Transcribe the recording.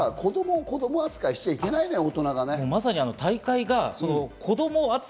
本当に我々が子供も子供扱いしちゃいけないね、大人が。